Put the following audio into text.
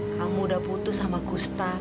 kamu udah putus sama gusta